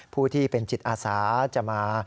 ผู้ที่เป็นจิตอาสาจะมา